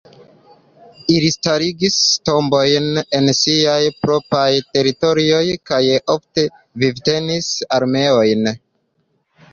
Ili starigis tombojn en siaj propraj teritorioj kaj ofte vivtenis armeojn.